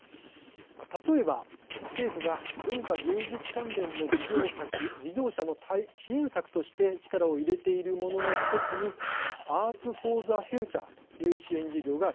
例えば政府が文化芸術関連の事業者の支援策として力を入れているものの１つにアーツ・フォー・ザ・フューチャーという支援事業があります。